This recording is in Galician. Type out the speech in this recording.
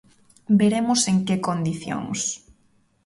Veremos en que condicións.